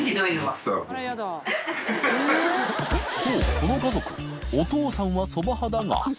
この家族お父さんはそば派だが秣